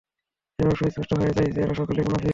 এভাবে সুস্পষ্ট হয়ে যায় যে, এরা সকলেই মুনাফিক।